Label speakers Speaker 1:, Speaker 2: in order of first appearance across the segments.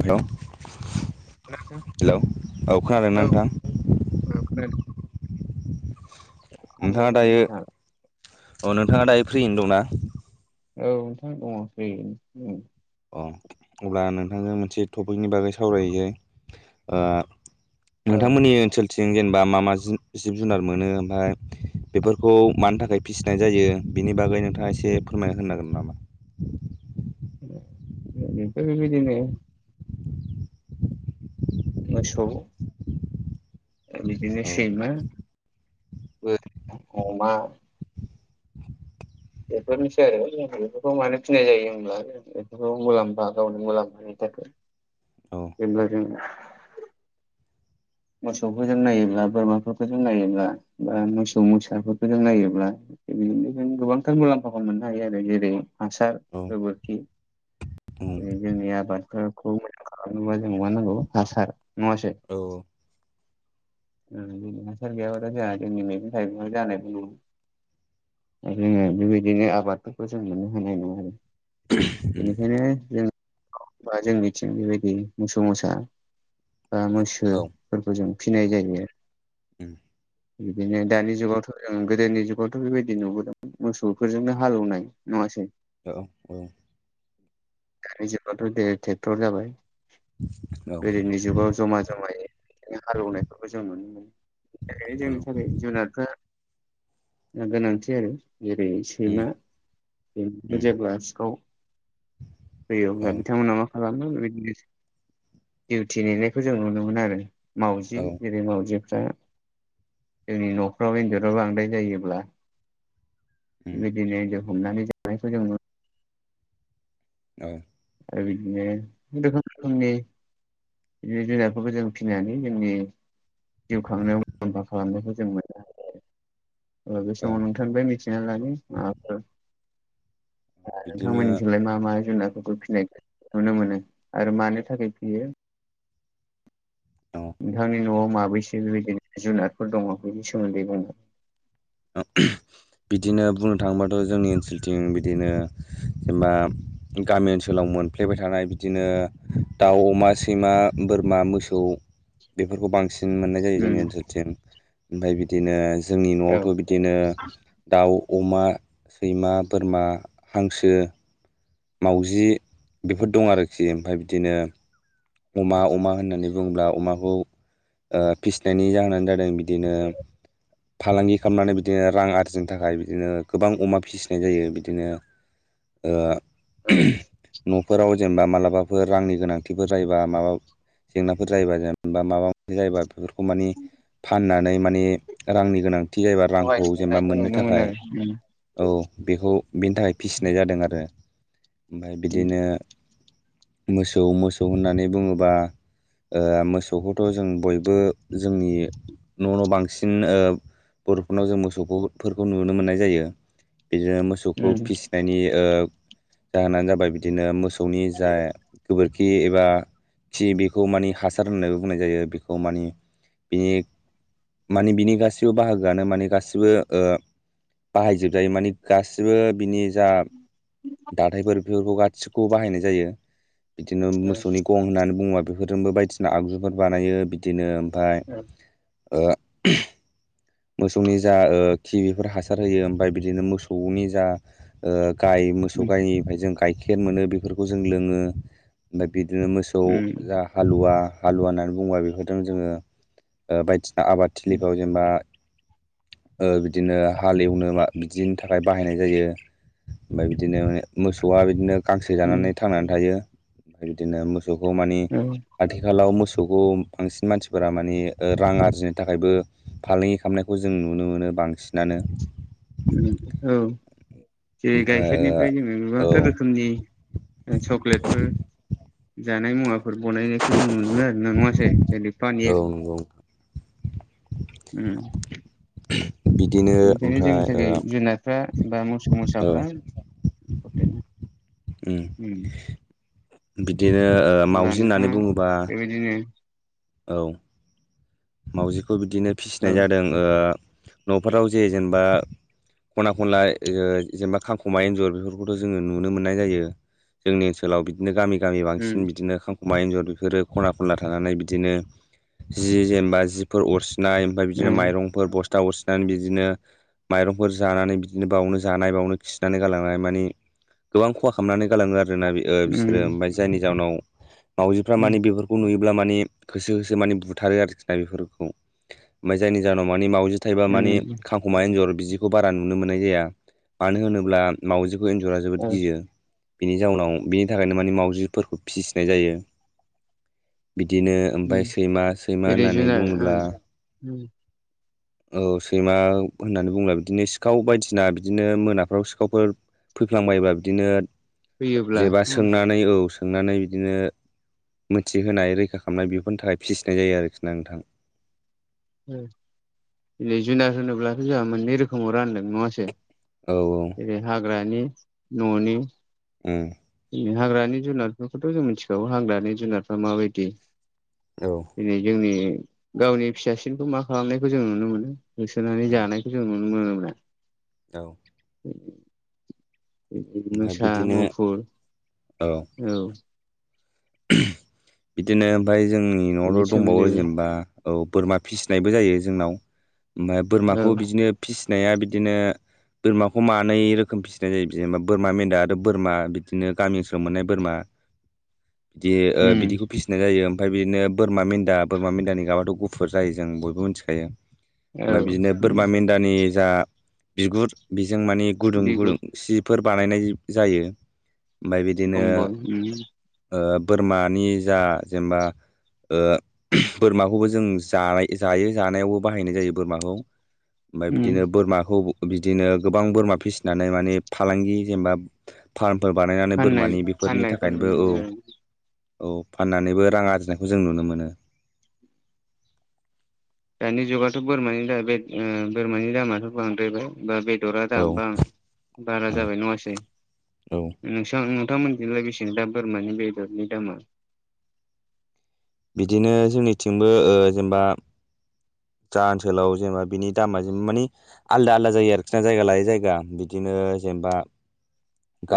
Speaker 1: Hello
Speaker 2: खोनादों
Speaker 1: hello औ खोनादोंना नोंथां?
Speaker 2: [unintelligible]
Speaker 1: नोंथाङा
Speaker 2: खालामबाय
Speaker 1: दायो औ नोंथाङा दायो फ्रियैनो दंना?
Speaker 2: औ नोंथां दङ फ्रियैनो दङ
Speaker 1: अ अब्ला नोंथांजों मोनसे टपिकनि बागै सावरायो ओ
Speaker 2: औ
Speaker 1: नोंथांमोननि ओनसोलथिं जेनेबा मा मा जि- जिब जुनार मोनो ओमफाय बेफोरखौ मानि थाखाय फिसिनाय जायो बिनि बागै नोंथाङा एसे फोरमायना होनो नांगोन नामा?
Speaker 2: बिफोरबायदिनो मोसौ बिदिनो
Speaker 1: औ
Speaker 2: सैमा बोर अमा बेफोरनोसै आरो बेफोरखौ मानो फिनाय जायो होनोब्ला [unintelligible] गावनि मुलाम्फानि थाखाय
Speaker 1: औ
Speaker 2: [unintelligible] मोसौखौ जों नायोब्ला बोरमाफोरखौ जों नायोब्ला बा मोसौ मोसाफोरखौ जों नायोब्ला बिदिनो जों गोबांथार मुलाम्फाखौ मोननो हायो आरो जेरै हासार
Speaker 1: औ
Speaker 2: गोबोरखि
Speaker 1: उम
Speaker 2: जोंनिया आबादफोरखौ मोजां खालामनोबा जों मा नांगौ हासार नङासै?
Speaker 1: औ
Speaker 2: जोंनि हासार गैयाबाथाय जाया जोंनि मैगं थाइगं जानायखौ नु जोङो बेबायदिनो आबादफोरखौ जों नुनो मोननाय नङा आरो बेनिखायनो जों बा जोंनिथिं बेबायदि मोसौ मोसा बा मैसोफोरखौ जों फिनाय जायोनो
Speaker 1: उम
Speaker 2: बिदिनो दानि जुगावथ' जों गोदोनि जुगावथ' बेबायदि नुबोदों मोसौफोरजोंनो हालेवनाय नङासै
Speaker 1: औ औ
Speaker 2: दानि जुगावथ' बे ट्रेक्टर जाबाय
Speaker 1: औ
Speaker 2: गोदोनि जुगाव जमा जमायै हालेवनायखौ जों नुनो मोनोनो जोंनि थाखाय जुनारफ्रा गोनांथि आरो जेरै
Speaker 1: उम
Speaker 2: सैमा सैमो जेब्ला सिखाव
Speaker 1: औ
Speaker 2: होयोब्ला बिथांमोना मा खालामो बिदिनो दिउटि लिरनायखौ जों नुनो मोनो आरो मावउजि
Speaker 1: औ
Speaker 2: जेरै मावउजिफ्रा जोंनि न'फ्राव एन्जराव बांद्राय जायोब्ला
Speaker 1: उम
Speaker 2: बिदिनो हमनानै जानायखौ जों नुनो
Speaker 1: औ
Speaker 2: आरो बिदिनो रोखोम रोखोमनि बिनो जुनारफोरखौ जों फिनानै जोंनि जिउ खांनायाव मुलाम्फा खालामनायखौ जों मोनो अ बे
Speaker 1: औ
Speaker 2: समाव नोंथांनि बे मिथिना लानो
Speaker 1: बिदिनो
Speaker 2: नोंथांमोननि सोलाय मा मा जुनारफोरखौ फिसिनाय नुनो मोनो आरो मानि थाखाय फियो
Speaker 1: औ
Speaker 2: नोंथांनि न'आव माबैसो बेबायदिनो जुनारफोर दङ बेनि सोमोन्दै बुंनो
Speaker 1: बिदिनो बुंनो थाङोबाथ' जोंनि ओनसोलथिं बिदिनो जेनेबा गामि ओनसोलाव मोनफ्लेबाय थानाय बिदिनो दाउ अमा सैमा बोरमा मोसौ बेफोरखौ बांसिन मोननाय जायो
Speaker 2: उम
Speaker 1: जोंनि ओनसोलथिं ओमफफ्राय बिदिनो जोंनि
Speaker 2: औ
Speaker 1: नर्थ बिदिनो दाउ अमा सैमा बोरमा हांसो मावउजि बेफोर दं आरोखि ओमफ्राय बिदिनो अमा अमा होननानै बुङोब्ला अमाखौ ओ फिसिनायनि जाहोनानो जादों बिदिनो फालांगि खालामनानै बिदिनो रां आरजिनो थाखाय बिदिनो गोबां अमा फिसिनाय जायो बिदिनो ओ
Speaker 2: औ
Speaker 1: न'फोराव जेनेबा मालाबाफोर रांनि गोनांथिफोर जायोबा माबा जेंनाफोर जायोबा जेनेबा माबा मोनसे जायोबा बेफोरखौ मानि फाननानै माने रांनि गोनांथि जायोबा
Speaker 2: सहाय
Speaker 1: रांखौ जेनेबा
Speaker 2: संनायखौ
Speaker 1: मोननो
Speaker 2: नुनो मोनो
Speaker 1: थाखाय
Speaker 2: आरो
Speaker 1: औ बेखौ बेनि थाखाय फिसिनाय जादों आरो। ओमफ्राय बिदिनो मोसौ मोसौ होननानै बुङोबा ओ मोसौखौथ' जों बयबो जोंनि न' न' बांसिन ओ बर'फोरनाव जों मोसौफोरखौ नुनो मोननाय जायो बिदिनो मोसौ मोसौखौ फिसिनायनि ओ जाहोनानो जाबाय बिदिनो मोसौनि जा गोबोरखि बि एबा बि बेखौ मानि हासार होननानैबो बुंनाय जायो। बेखौ मानि बेनि माने बिनि गासिबो बाहागोआनो माने गासिबो बाहायजोबजायो माने गासै गासिबो बिनि जा दाथायफोर बेफोरखौ गासिखौबो बाहायनाय जायो। बिदिनो मोसौनि गं होननानै बुङोबा बेफोरजोंबो बायदिसिना आगजुफोर बानायो बिदिनो ओमफाय ओ मोसौनि जा खि बिफोर हासार जायो ओमफ्राय बिदिनो मोसौनि जा ओ गाय मोसौ गायनिफ्राय जों गाखेर गांगेय मोनो बेफोरखौ जों लोङो ओमफ्राय बिदिनो मोसौ
Speaker 2: उम
Speaker 1: जा हालुवा हालुवा होननानै बुङोबा बेफोरजों जोङो बायदिसिना आबादथिलिफ्राव जेनेबा ओ बिदिनो हाल एवनो बिदिनि थाखाय बाहायनाय जायो। ओमफ्राय बिदिनो माने मोसौआ बिदिनो गांसो जानानै थांनानै थायो ओमफ्राय बिदिनो मोसौखौ मानि आथिखालाव मोसौखौ बांसिन मानसिफोरा मानि रां आरजिनो थाखायबो फालांगि खालामनाय खौ जों नुनो मोनो बांसिनानो
Speaker 2: औ जे
Speaker 1: ओमफ्राय
Speaker 2: गाइखेरनिफ्राय जोङो
Speaker 1: औ
Speaker 2: गोबांथार रोखोमनि सक्लेटफोर जानाय मुवाफोर बानायनायखौ जों नुनो मोन आरो ना नङासै जेर
Speaker 1: औ
Speaker 2: पनिर,
Speaker 1: नंगौ [unintelligible]
Speaker 2: बेनिखायनो
Speaker 1: ओमफ्राय
Speaker 2: जोंनि
Speaker 1: ओ
Speaker 2: थाखाय जुनारफ्रा बा मोसौ
Speaker 1: औ
Speaker 2: मोसाफ्रा इम्परटेन्ट
Speaker 1: उम बिदिनो माउजि होननानै बुङोब्ला
Speaker 2: बिदिनो
Speaker 1: औ माउजिखौ बिदिनो
Speaker 2: औ
Speaker 1: फिसिनाय जादों ओ न'फोराव जे जेनेबा खना खनला ओ जेनेबा खांख'मा एन्जर बेफोरखौथ' जोङो नुनो मोननाय जायो जोंनि ओनसोलाव बिदिनो गामि गामि बांसिन
Speaker 2: उम
Speaker 1: बिदिनो खां खमा, एन्जर बेफोरो खना खनला थानानै बिदिनो जि जेनेबा जिफोर अरसिनाय ओमफ्राय बिदिनो
Speaker 2: उम
Speaker 1: माइरंफोर बस्था अरसिनानै बिदिनो माइरंफोर जानानै बिदिनो बावनो जानाय बावनो खिनानै गालांनाय मानि गोबां खहा खालामनानै गालाङो आरोना बिसोरो ओमफ्राय जायनि जाहोनाव मावजिफ्रा
Speaker 2: उम
Speaker 1: मानि बेफोरखौ खौ नुयोब्ला माने होसो होसो माने बुथारो आरोखि ना बेफोरखौ ओमफाय जायनि जाहोनाव मानि माव बुथारबा मानि
Speaker 2: उम
Speaker 1: खांखमा एन्जर बिदिखौ बारा नुनो मोननाय जाया मानो होनोब्ला माउजिखौ एन्जरा जा जोबोद
Speaker 2: औ
Speaker 1: गियो। बिनि जाउनाव बिनि थाखायनो माने मावजिफोरखौ फिसिनाय जायो बिदिनो ओमफ्राय सैमा सैमा होननानै बुङोब्ला
Speaker 2: उम
Speaker 1: औ सैमा होननानै बुङोब्ला बिदिनो सिखाव बायदिसिना बिदिनो मोनाफ्राव सिखावफोर फैफ्लांबायबा बिदिनो
Speaker 2: फैयोब्ला
Speaker 1: जेबा
Speaker 2: उम
Speaker 1: सोंनानै औ सोंनानै बिदिनो मोनथिहोनाय रैखा खालामनाय बेफोरनि थाखाय फिसिनाय जायो आरोखि ना नोंथां।
Speaker 2: दिनै जुनार होनोब्लाथ' जोंहा मोननै रोखोमाव रानदों नङा?
Speaker 1: औ औ
Speaker 2: जेरै हाग्रानि न'नि
Speaker 1: ओं
Speaker 2: जों हाग्रानि जुनारफोरखौथ' जों मिथिखागौ हाग्रानि जुनारफ्रा माबायदि?
Speaker 1: औ
Speaker 2: दिनै जोंनि गावनि फिसासिनखौ मा खालामनायखौ जों नुनो मोनो होसोनानै जानाय। [inaudible]
Speaker 1: औ
Speaker 2: [inaudible]
Speaker 1: ओमफ्राय
Speaker 2: मोसा
Speaker 1: बिदिनो
Speaker 2: मुफुर औ।
Speaker 1: बिदिनो ओमफ्राय जोंनि
Speaker 2: बेनि
Speaker 1: न'आवथ' दंबावो
Speaker 2: सोमोन्दै औ
Speaker 1: जेनेबा औ बोरमा फिसिनायबो जायो जोंनाव ओमफ्राय बोरमाखौ बिदिनो फिसिनाया बिदिनो बोरमाखौ मानै रोखोम फिसिनाय जायो जेनेबा बोरमा मेन्दा आरो बोरमा बिदिनो गामि ओनसोलाव मोननाय बोरमा। बिदि ओ
Speaker 2: उम
Speaker 1: बिदिखौ फिसिनाय जायो ओमफ्राय बिदिनो बोरमा मेन्दा बोरमा मेन्दाया गुफुर जायो जों बयबो मिथिखायो
Speaker 2: औ
Speaker 1: बिदिनो
Speaker 2: उम
Speaker 1: बोरमा मेन्दा जा बिगुर बेजों मानि गुदुं
Speaker 2: बिगुर
Speaker 1: गुदुं जि फोर बानायनाय जायो। ओमफ्राय बिदिनो
Speaker 2: खमबल उम
Speaker 1: ओ बोरमानि जा जेनेबा ओ बोरमाखौबो जों जानाय जायो जानायावबो बाहायनाय जायो बोरमाखौ। ओमफ्राय
Speaker 2: उम
Speaker 1: बिदिनो बोरमाखौ बिदिनो गोबां बोरमा फिसिनानै माने फालांगि जेनेबा फार्मफोर बानायनानै
Speaker 2: फाननाय
Speaker 1: बोरमानि बेफोरनि
Speaker 2: फाननायखौ नुनो
Speaker 1: थाखायबो औ।
Speaker 2: मोनो
Speaker 1: औ फाननानैबो रां आरजिनायखौ जों नुनो मोनो।
Speaker 2: दानि जुगावथ' बोरमानि दामाथ' बे बोरमानि दामाथ' बांद्रायबाय। बा बेदरा
Speaker 1: औ
Speaker 2: दाम बां बारा
Speaker 1: औ
Speaker 2: जाबाय नङासै?
Speaker 1: औ
Speaker 2: नोंसां नोंथांमोननिथिं बेसे दा बोरमानि बेदरनि दामा?
Speaker 1: बिदिनो जोंनिथिंबो ओ जेनबा जा ओनसोलाव जेनबा बिनि दामाेन मानि आलादा आलदा जायो आरोखि ना जायगा लायै जायगा बिदिनो जेनेबा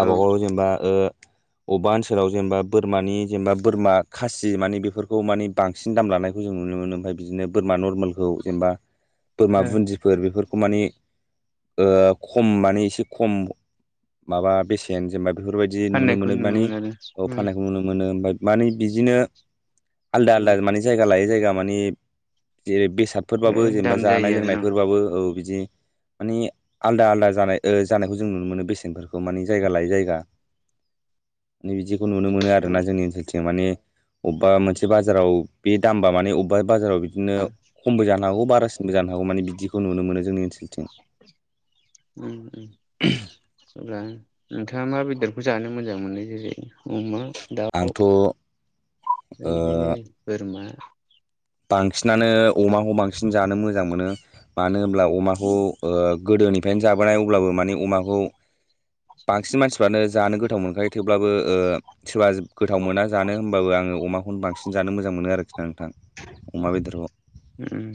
Speaker 2: औ
Speaker 1: गाव
Speaker 2: ओ
Speaker 1: जेनेबा ओ अबेबा ओनसोलाव जेनेबा बोरमानि जेनेबा बोरमा खासि मानि बेफोरखौ मानि बां सिन दाम लानायखौ जों नुनो मोनो ओमफ्राय बिदिनो बोरमा नरमेलखौ जेनबा बोरमा बुन्दिफोर बेफोरखौ माने ओ खम माने एसे खम माबा बेसेन जेनेबा बेफोरबायदि नुनो मोनो मानि औ फाननायखौ नुनो मोनो [unintelligible] मानि बिदिनो आलदा आलदा मानि जायगा लायै जायगा मानि जेरै बेसाद
Speaker 2: ए
Speaker 1: फोरबाबो जेनेबा
Speaker 2: दाम
Speaker 1: जानाय
Speaker 2: जायो आरोना
Speaker 1: लोंनायफोरबाबो औ बिदि मानि आलदा आलदा जानाय ओ जानायखौ जों नुनो मोनो बेसेनफोरखौ बे माने जायगा लायै जायगा [unintelligible] बिदिखौ नुनो मोनो
Speaker 2: औ
Speaker 1: आरोना जोंनि ओनसोलथिं माने अबेबा मोनसे बाजाराव बे दामबा माने अबेबा बाजाराव [unintelligible] बिदिनो खमबो जानो हागौ बारासिनबो जानो हागौ मानि बिदिखौ नुनो मोनो जोंनि ओनसोलथिं।
Speaker 2: उम उम अब्ला नोंथाङा मा बेदरखौ जानो मोजां मोनो जेरै अमा दाउ
Speaker 1: आंथ' ओ
Speaker 2: [unintelligible] बिदिनो बोरमा
Speaker 1: बांसिनानो अमाखौ बांसिन जानो मोजां मोनो। मानो होनब्ला अमाखौ गोदोनिफ्रायनो जाबोनाय अब्लाबो माने अमाखौ बांसिन मानसिफ्रानो जानो गोथाव मोनखायो थेवब्लाबो ओ सोरबा गोथाव मोना जानो होमबाबो आङो अमाखौनो बांसिन जानो मोजां मोनो आरोखि। [unintelligible] नोंथां अमा बेदरखौ।
Speaker 2: उम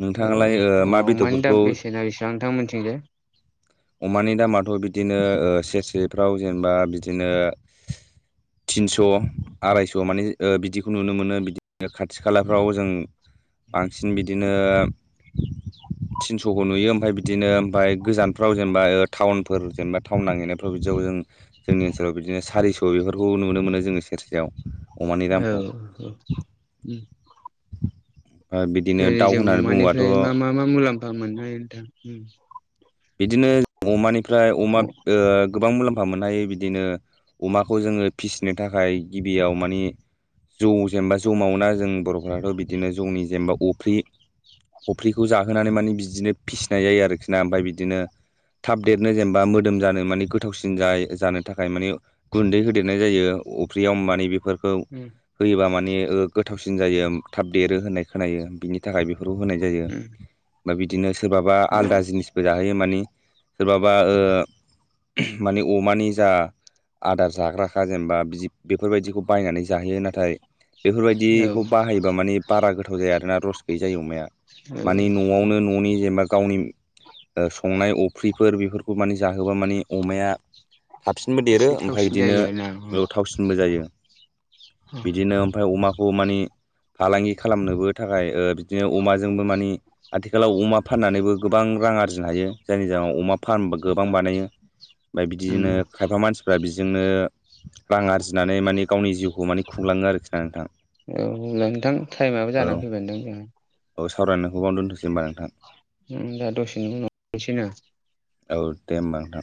Speaker 1: नोंथाङालाय ओ
Speaker 2: औ
Speaker 1: मा
Speaker 2: अमानि दा
Speaker 1: बेदरफोरखौ
Speaker 2: बेसेना बेसेबां नोंथां मोनथिंजाय?
Speaker 1: अमानि दामाथ' बिदिनो सेरसेफ्राव जेनेबा बिदिनो। थिनस' आरायस' माने ओ बिदिखौ नुनो मोनो बिदि खाथि खालाफ्राव जों। बांसिन बिदिनो। थिनस'खौ नुयो ओमफाय बिदिनो ओमफाय गोजानफ्राव जेनेबा टाउनफोर जेनबा। थावन नागिरनायफ्राव बिदि जों जोंनि ओनसोलाव बिदिनो सारिस' बेफोरखौ नुनो मोनो जोङो सेरसेयाव। अमानि दामखौ
Speaker 2: औ औ [unintelligible]
Speaker 1: ओ बिदिनो
Speaker 2: जेरै
Speaker 1: दाउ
Speaker 2: जों
Speaker 1: होननानै बुङोबाथ'
Speaker 2: अमानिफ्राय मा मा मा मुलाम्फा मोननो हायो नोंथां?
Speaker 1: बिदिनो अमानिफ्राय
Speaker 2: अ
Speaker 1: अमा
Speaker 2: उम
Speaker 1: ओ गोबां मुलाम्फा मोननो हायो बिदिनो अमाखौ जोङो फिसिनो थाखाय गिबियाव मानि जौ जेनेबा जौ मावो ना जों बर'फ्राथ' बिदिनो जौनि जेनेबा अफ्रि। अफ्रिखौ जाहोनानै माने बिदिनो फिसिनाय जायो आरोखि ना ओमफाय बिदिनो। थाब देरनो जेनेबा मोदोम जानो मानि गोथावसिन [unintelligible] जानो थाखाय मानि। गुन्दै होदेरनाय जायो अफ्रियाव मानि बेफोर। औ होयोबा माने ओ गोथावसिन जायो थाब देरो होननाय खोनायो बिनि थाखाय बे बेफोरखौ होनाय जायो बा बिदिनो सोरबाबा
Speaker 2: उम
Speaker 1: आलदा जिनिस। जाहोयो मानि सोरबाबा ओ मानि अमानि जा। आदार जाग्राखा जेनेबा बिदि बेफोरबायदिखौ बायनानै जाहोयो नाथाय।
Speaker 2: उम
Speaker 1: बेफोरबायदिखौ बाहाय माने बारा गोथाव जाया आरोना रस गैयि जायो अमाया
Speaker 2: औ
Speaker 1: मानि
Speaker 2: औ
Speaker 1: न'आवनो न'नि जेनेबा गावनि संनाय अफ्रिफोर बेफोरखौ माने जाहोबा माने अमाया। थाबसिनबो देरो
Speaker 2: एसे
Speaker 1: ओमफाय
Speaker 2: थावसिन
Speaker 1: बिदिनो
Speaker 2: जायो आरोना
Speaker 1: गोथावसिनबो जायो। बिदिनो ओमफाय अमाखौ मानि। फालांगि खालामनोबो थाखाय ओ बिदिनो अमाजोंबो मानि आथिखालाव अमा फाननानैबो। गोबां रां आरजिनो हायो जायनि जाहोनाव अमा फार्म गोबां बानायो ओमफफ्राय बिदिनो
Speaker 2: उम
Speaker 1: खायफा मानसिफोर [unintelligible] बेजोंनो रां आरजिनानै माने गावनि जिउखौ माने खुंलाङो आरोखि ना नोंथां।
Speaker 2: औ नोंथां टाइमाबबो
Speaker 1: औ
Speaker 2: जानानै फैबायनोदां जोंहा।
Speaker 1: औ सावरायखौ सावनो दोनथसै होनबा नोंथां।
Speaker 2: नों दा दसेनि उनावनोसैनो?
Speaker 1: औ दे होमबा नोंथां।